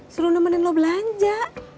suruh nemenin lo belanja